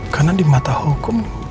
karena di mata hukum